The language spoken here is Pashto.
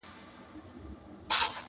ستا د کتاب د ښوونځیو وطن،